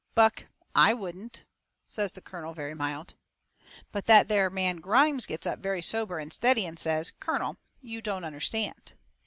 "Buck, I wouldn't," says the colonel, very mild. But that there man Grimes gets up very sober and steady and says: "Colonel, you don't understand."